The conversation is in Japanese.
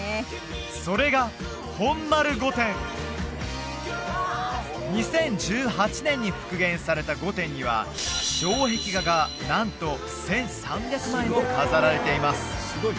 それが２０１８年に復元された御殿には障壁画がなんと１３００枚も飾られています